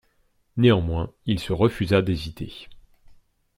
Néanmoins, il se refusa d'hésiter.